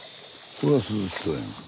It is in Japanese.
これは涼しそうやんか。